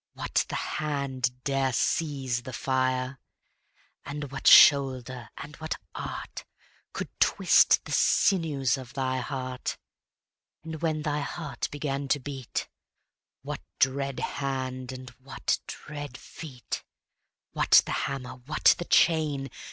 What the hand dare seize the fire? And what shoulder and what art Could twist the sinews of thy heart? And when thy heart began to beat, What dread hand and what dread feet? What the hammer? what the chain?